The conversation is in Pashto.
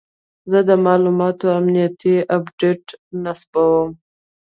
زه د معلوماتي امنیت اپډیټ نصبوم.